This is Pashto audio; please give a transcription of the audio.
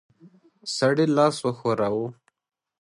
سړي لاس وښوراوه.